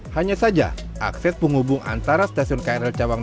hanya saja akses penghubung antara stasiun krl cawang